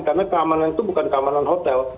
karena keamanan itu bukan keamanan hotel